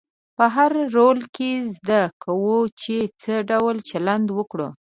په هر رول کې زده کوو چې څه ډول چلند وکړو.